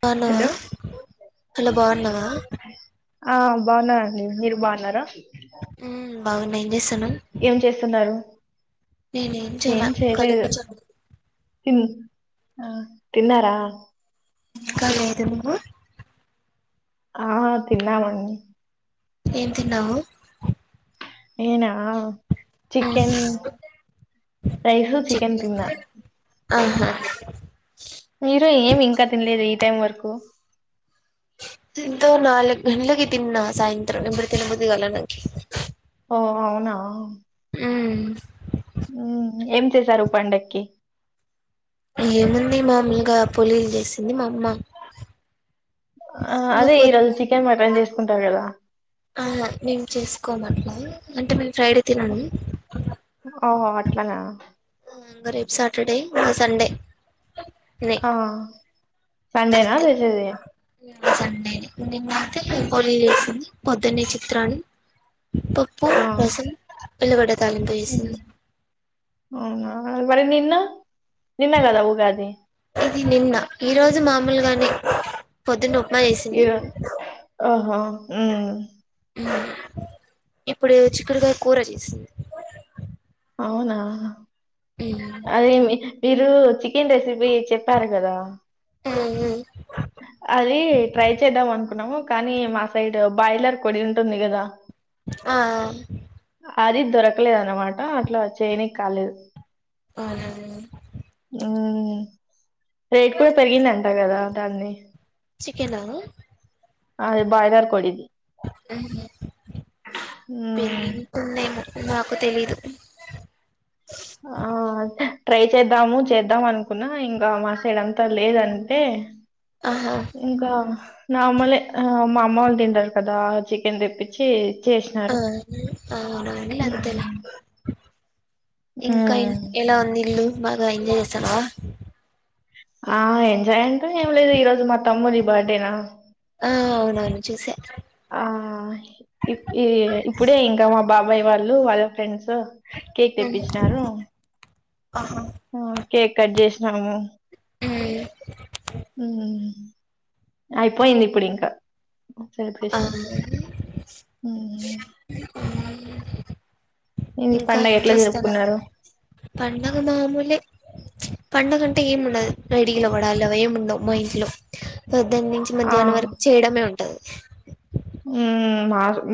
బాగున్నావా hello hello బాగున్నావా ఆ బాగున్నానండి మీరు బాగున్నారా ఉమ్ బాగున్నం ఏం చేస్తానవ్ ఏం చేస్తున్నారు నేనేం ఏం చేయాలా కాలిగా చేయలేదు కూర్చొని వున తిన్ తిన్నారా ఇంకాలేదు నువ్వు ఆ తిన్నామండి ఏం తిన్నావు నేనా ఆ మ్మ్ చికెన్ రైస్ చికెన్ తిన్నా ఆహా మీరు ఏమి ఇంకా తినలేదు ఈ టైం వరకు ఇంతో నాలుగంటలకి తిన్నా సాయంత్రం ఇపుడు తిన బుద్ధిగాల నకి ఓ అవునా హ్మ్ మ్మ్. ఏం చేశారు పండక్కి ఏముంది మామూలుగా పోలీలు చేసింది మా అమ్మ ఆ ఇంగ అదే ఈ రోజు చికెన్ మటన్ చేసుకుంటారు కదా అవున మేము చేసుకోము అట్లా అంటే మేము ఫ్రైడే తినము ఓహో అట్లానా రేపు సాటర్డే సండే నే ఆ సండేనా చేసేది సండే నిన్నాయితే పోలీలు చేసింది పొద్దున్నే చిత్రాన్నాం పప్పు ఆ రసం ఉల్లుగడ్డ తాలింపు మ్మ్. చేేసింది అవునా మరి నిన్న నిన్నగదా ఊగాది నిన్న ఈ రోజు మామూలుగానే పొద్దునొ ఇగ ఆహ హ్మ్మ్ ఇప్పుడు చిక్కుడుకాయ కూర చేసింది అవునా అదే మీరు చికెన్ రెసిపీ అదే చెప్పారు కదా టే అది ట్రై చేద్దాం అనుకున్నాము కానీ మా సైడ్ బాయిలర్ కోడి ఉంటుంది కదా ఆ అది దొరకలేదు అనమాట అట్లా చేయనికి కాలేదు అవునండి హ్మ్. రేట్ కూడా పెరిగిందంటా కదా దాన్ది చికెనా అ బయిలర్ కోడిది హ్మ్. పెరిగింటుందేమో నా తెలీదు ఆ అదే ట్రై చేద్దాము చేద్దాం అనుకున్నా ఇంకా మాసైడ అంతా లేదంటే ఆహా ఇంకా నారమలే మా అమ్మ వాళ్ళు తింటారు కదా చికెన్ తెప్పించి చేసినారు ఆ అవునవును హమ్ అంతేలే ఇంకా ఎలా ఉంది ఇల్లు బాగా ఎంజాయ్ చేసానువా ఆ ఎంజాయ్ అంటా ఏం లేదు ఈ రోజు మా తమ్ముది బర్త్డేనా ఆ అవున అవును చూసే ఆ ఇ ఈ ఇప్పుడే ఇంకా మా బాబాయ్ వాళ్ళు వాళ్ళ ఫ్రెండ్స్ కేక్ తెప్పించినారు ఆహా ఆ కేక్ కట్ చేసినాము ఉమ్, అయిపోయింది ఇప్పుడు ఇంకా ఆ సెలిబ్రేషస్ ఇంకా పండగ ఏం ఎట్లా చేస్తన్నారు జరుపుకున్నారు పండగ మామూలే పండగంటే ఏముండదు రేడియేవ్వాడలు ఏము ఉండవు మా ఇంట్లో పొద్దున్న నుంచి ఆ మధ్యాహ్నం వరకు చేయడమే ఉంటది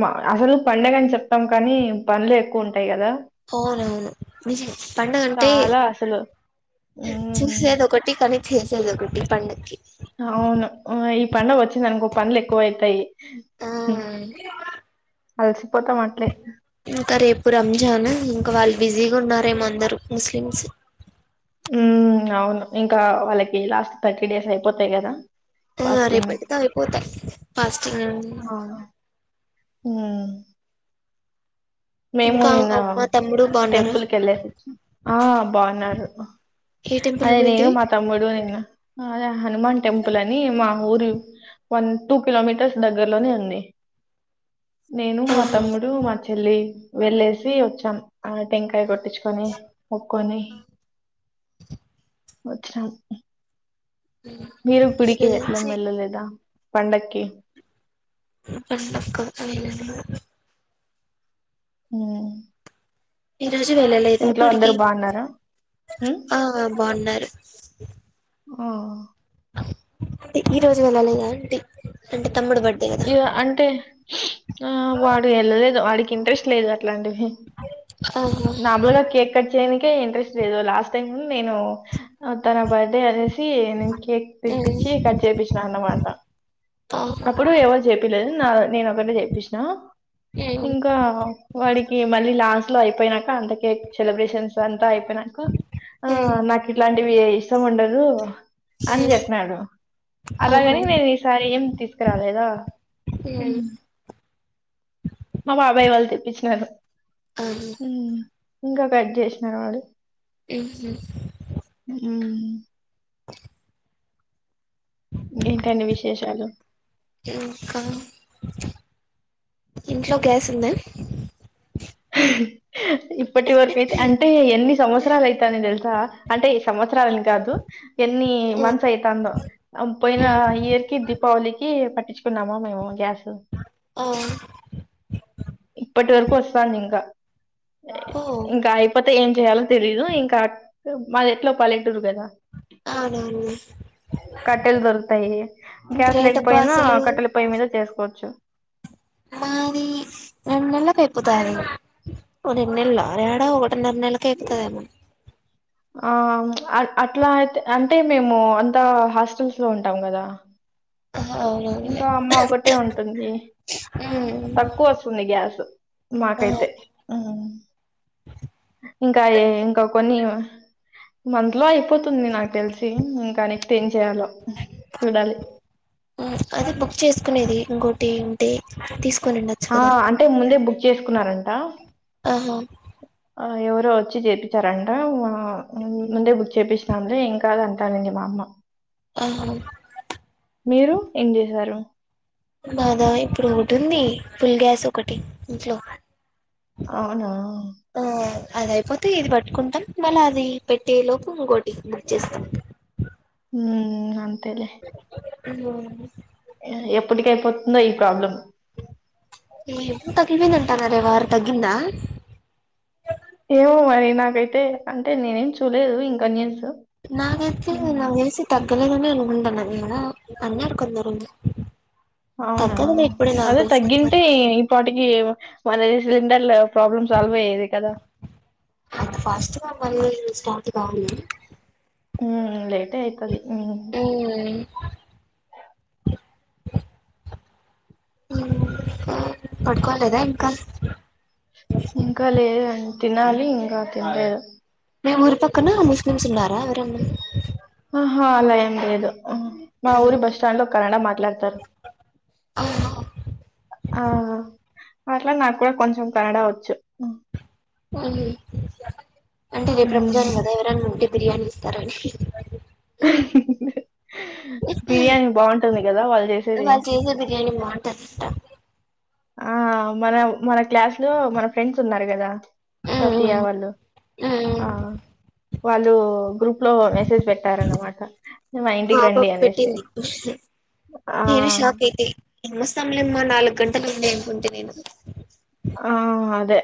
మా అసలు పండగని చెప్తాం కానీ పనులు ఎక్కువ ఉంటాయి కదా అవునవును పడుగ అంటే చాలా అసలు హ్మ్ చూసేది ఒకటి కానీ చేసేది ఒకటి పడుక్కి అవును ఈ పడుగ వచ్చింది అనుకో పంలు ఎక్కువ అవుతాయి ఆ అలసిపోతాం అట్లే ఇప్పు రంజాన్ ఇంకా వాళ్ళు బిజీగా ఉన్నన్నారుేమో అందరుూ ముస్లిమ్స్ ఉ అవును ఇంకా వాళ్ళకి లాస్ట్ థర్టీ డేస్ అయిపోతాయి కదా ఆ ఫాస్టింగ్ రేపటితో అయిపోతాయి ఫాస్టింగ్ ఆ మేము ఇంకా నిన్న మా తమ్ముడు బాగున్నారా టెంపుల్కి వెళ్ళేసిచ్చా ఆ బాగున్నారు ఏ అ టెంపుల్ కి నేను పోయింటివి మా తమ్ముడు నేనుదే హనుమాన్ టెంపుల్ అని మా ఊరి వన్ టూ కిలోమీటర్స్ దగ్గరలోనే అంది నేను మా ఆహా తమ్ముడు మా చెల్లి వెళ్ళేసి వచ్చాను ఆ టెంకాయ ఆ, కొట్టించుకొని ముక్కొని ఆ. వచ్చం మీరు ఈ గుడికి ఎట్ల రోజు వెెళ్ళలేదా పండకి పండకు అవేలా అ ఈ రోజు వెళ్ళలేదా గుడికి బాగున్నారా ఉమ్ ఆ బాగున్నారు ఆ అ ఈ రోజు వెళ్ళాలిదా అంటే అంటే తమ్ముడు బర్త్డే కదా ఇగ అంటే ఆ వాడు వెళ్ళలేదు వాడికి ఇంట్రెస్ట్ లేదు అట్లాంటివి ఆహా నాబలోలో కేక్ కట్ చేయడానికే ఇంట్రెస్ట్ లేదు లాస్ట్ టైం నేను తన బర్త్డే అనేసి నేను కేక్ ఉమ్ పిపించి కట్ చేపించిన అన్నమాట ఆహా అప్పుడు ఎవరు చెప్పలేదు నేను ఒకటే చెప్పసిన ఉమ్ ఇంకా వాడికి మళ్ళీ లాస్ట్ లో అయిపోయిన అకే సెలబ్రేషన్స్ అంతా అయిపోయి నాకు ఆ ఉమ్ నాకు ఇట్లాంటివి ఇష్టం ఉండదు ర అని ఉమ్ చెప్పినడు ఆహా అలాగని నేను ఈసారి ఏం తీసుకురాలేదా హ హ్మ్ మా బాబాయ్ వాళ్ళు తెప్పించినను ఆహా ఇంకా కట్ చేసినారు వాళ్ళు ఏ ఉ ఇంకేంటండి విశేషాలు ఇంకా ఇంట్లో గ్యాస్ ఉంద ఇప్పటి వరకుయితే అంటే ఎన్ని సంవత్సరాలు అయితాంది తెలుసా అంటే సంవత్సర కాదు ఎన్ని ఉమ్ మంత్స్ అయితుందో పోయిన ఉమ్ ఇయర్ కి దీపావళికి తెచ్చుకున్నామా మేము గ్యాస్ ఆ ఇప్పటి వరకు ఒస్తంది ఇంకా ఓ ఇంకా అయిపోతే ఏం చేయాలో తెలీదు ఇంకా మాది ఎట్లో పలె టూరు కదా అవునవును కట్టెలు దొరుకుతాయి గ్యాస్ గ్రేట్ అబ్బా లేకపోయినా అసలు కట్టెల పొయ్యి మీద చేసుకోచ్చు ఎమ్మనీ [unintelligible] ఆ అట్లాయితే అంటే మేము అంతా హాస్టల్స్ లో ఉంటాం కదా అవునవునులే ఇంకా అమ్మ ఒకటే ఉంటుంది మ్మ్ తక్కువ వస్తుంది గ్యాస్ నాకైతే మ్ [inaudible] ఇంకా ఇ ఇంకా కొన్ని మంత్ లో అయిపోతుంది నాకు తెలిసి ఇంకా నెక్స్ట్ తే ఏం చేయాలో చూడాలి. ఉమ్ అది బుక్ చేసుకునేది ఇంకోటి ఏంటి తీస్క్ ఆ అంటే ముందే బుక్ చేసుకున్నారంట ఆహా ఆ ఎవరో వచ్చి చేపిచ్చారంట హ్మ్ ముందే బుక్ చేపిచినాంలే ఏంకాదు అంటానండి మామ్ మ హా మీరు ఏం చేశారు నాధ ఇప్పుడు ఒకటింది ఫుల్ గ్యాస్ ఒకటి ఇంట్లో అవునా ఆ అది అయిపోతే ఇది పట్టుకుంటాం మళ్ళీ అది పెట్టే లోపు ఇంకోటి బుక్ చేస్తాం హ్మ్ అంతేలే ఉమ్ ఎప్పటికి అయిపోతుందో ఈ ప్రాబ్లం ఇ ఇప్పు తగిలివేందంటానరే వారు తగగింద ఏమో మరి నాకైతే అంటే నేనేం చూలేదు ఇంకా న్యూస్ నాకైయితే ఉమ్, నా వేసి తగ్ కలగనే అ ఉంటన్నది ఏద అన్నారు కొందరు అవునా తగ్గదులే ఇప్పుడే నాకు అదే తెలిసినంత వరకు తగ్గింటే ఇప్పటికి వాళ్ళవి సిలిండర్లు ప్రాబ్లమ్ సాల్వ్ అయ్యేది కదా అంత ఫాస్ట్ గా మళ్ళీ స్టార్ట్ కాలే మ్మ్ లేటే అయితది మ్మ్ ఉమ్ పడుకోలేదా ఇంకా ఇంకా లేదండి తినాలి ఇంకా తినలేదు మీ ఊరు పక్కన ముస్లింస్ ఉన్నారా ఎవరు అన్న ఆహా అలా ఏం లేదు మా ఊరి బస్స్టాండ్ లో కన్నడా మాట్లాడతారు ఆ అట్లా నాకు కూడా కొంచెం కనడా వచ్చు అంటే రేపు ఉమ్. రంజాను కదా ఎవరనా ఉంటే బిర్యానీ ఇస్తారనీ బిర్యానీ బాగుంటుంది కదా వాళ్ళు చేసేది వాళ్ళు చేసే బిర్యానీ బాగుంటదంట ఆ మన మన క్లాస్ లో మన ఫ్రెండ్స్ ఉన్నారు కదా షఫియా వాళ్ళు ఆ వాళ్ళు గ్రప్ లో మెసేజ్ పెట్టారన్నమాట మా ఇంటికి పాప రండి అనేసి పెట్టింది ఆ! నేను షాక్ అయితే ఏమ్మస్తాములేమ్మ నాలుగు గంటలు ఉంే అనుకుంటే నేను ఆ అదే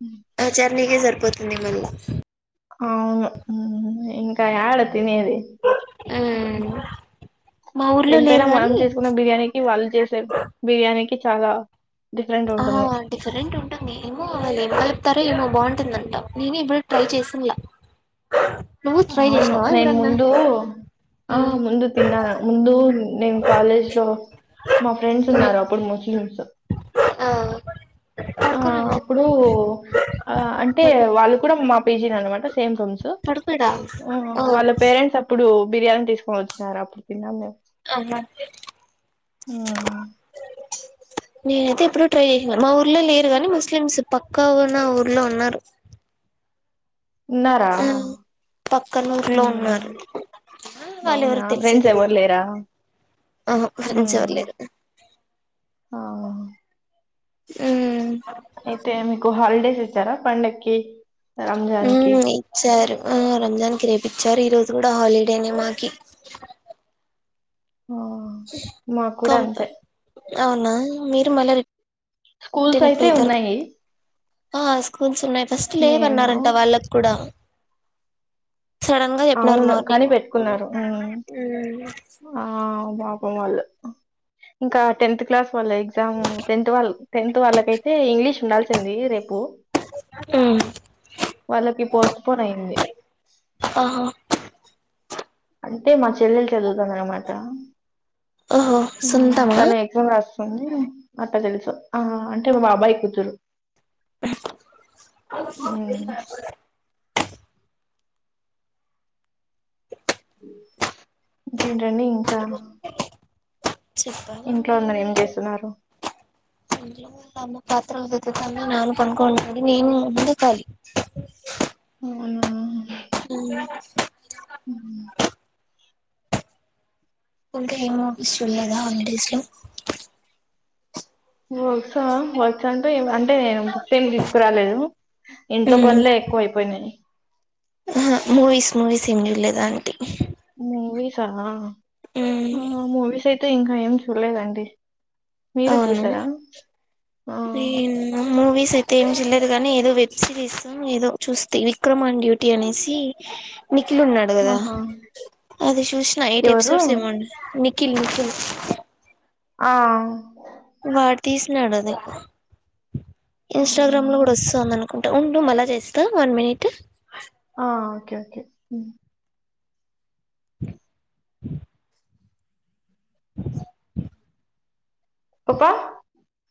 హ అ నకే సరిపోతుంది మళ్ళీ అవును ఇంకా డ తిన అది మా ఊర్లో ఎంతైనా లేరు మనం గాని చేసుకున్న బిర్యానీకి వాళ్ళు చేసారు బిర్యానీకి చాలా డిఫరెంట్ ఆ ఉంటుంది. డిఫరెంట్ ఉంటుంది ఏమో వాళ్ళు ఏం కలుప్తారో ఏమో బాగుంట ంట నేను ఇప్పుడు ట్రై చేసలా అవును నేన్ ముందు ఆ హ్మ్. ముందు తిన్నా ముందు నేను కాలేజ్ లో మా ఫ్రెండ్స్ హ్మ్. ఉన్నారు అప్పుడు ముస్లిమ్స్ ఆ ఆ పడుకోనున్నా. అప్పుడు ఆ అంటే పడుకో వాళ్ళు కూడా మా పిజీ అన్నమాట సేమ్ తడుకు వాళ్ళ పేరెంట్స్ అప్పుడు బిర్యానీ తీసుకొని వచ్చినారు అప్పుడు తిన్నాం మేము అనా ఉమ్. నేనైతే ఎప్పుడ ట్రై చేస మా ఊర్లో లేరు నీ ముస్లిమ్స్ పక్కా ఉ నా ఊర్లో ఉన్నారు ఉన్నారా ఆ! పక్కన ఊర్లో హ్మ్ ఉన్నారు. ఆ! అవునా వాళ్ళెవరో ఫ్రెండ్స్ తెలిసేది లేదు. ఎవరు లేరా ఆహా! ఫ్రెండ్స్ ఎవరు లేరు. ఆ ఆ అయితే మీకు హాలిడేస్ ఇచ్చారా పండగకిి రంజాన్ కి ఉమ్ ఇచ్చారు ఆ రంజాన్ కి రేపిచ్చారు ఈ రోజు కూడా హాలిడేనే మాకి ఆ మాకు కొ కూడా అంతే అవునా మీరు మళ్ళ స్కూల్స్ అయితే ఉన్నాయి ఆ స్కూల్స్ ఉన్నాయి ఫస్ట్ మేము లేవన్నారంట వాళ్ళకి కూడా సడన్ గా చెప్పినారు అవును కాని మార్నింగ్ పెట్టుకున్నారు ఆ పాపం వాళ్ళు ఇంకా టెన్త్ క్లాస్ వాళ్ళ ఎగ్జామ్ టెన్త్ వాళ్ళు టెన్త్ వాళ్ళకైతే ఇంగ్లీష్ ఉండాల్సింది రేపు ఉమ్ వాళ్ళకి పోస్ట్ పోన్ అయింది ఆహా అంటే మా చెల్లెలు చదువుతానన్నమాట ఓహో సొంతమా తను ఎగ్జామ్ రాస్తుంది అట్లా తెలుసు ఆ అంటే మా బాబాయ్ కూతురు ఉమ్, ఇంకేంటండి ఇంకా చెప్పాలా ఇంట్లో అందరు మీరే ఏం చేస్తున్నారు పాత్రలదతత నాను కన్కొంది నేను ముందు ఖాలలి అ [inaudible] అ హ ఇంకా ఏంఫష్ట లేదా హాలిడేస్ లో నువ్వు వస్తావా వస్తా అంటే బుక్స్ తీసుకొనిరలేదు ఇంట్లో ఉమ్ పనులే ఎక్కువ అయిపోయినాయి ఆహా మూవీస్ మూవీస్ ఏం చూడలేదా అంటీ మూవీసా ఉమ్ మూవీస్ అయితే ఇంకా ఏం చూడలేదండి మీరు అవును చూసారా ఆ నేన్ మూవీస్ అయి ఏం చూల్లేదు కానీ ఏదో వెబ్ సిరీస్ ఏదో చూస్తాయి విక్రమ్ ఆన్ డ్యూటీ అనేసి నిఖిల్ ఉన్నాడు కదా ఆహా అది చూసిన ఎయిట్ ఎవరు ఎపిసోడ్స్ ఏమన్నా నిఖిల్ అ ఆ వాడు తీసినాడు అది అవునా ఇన్స్టాగ్రామ్ లో కూడా వస్తంది ఉంటె ఉండు మళ్ళ చేస్తా వన్ మినిట్ ఆ ఓకే ఓకే పాపా